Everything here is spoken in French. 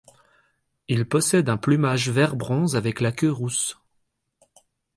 Il possède un plumage vert bronze avec la queue rousse.